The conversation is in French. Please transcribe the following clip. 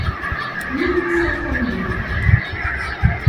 mille huit cent trente-deux).